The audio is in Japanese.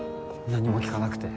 何も聞かなくて。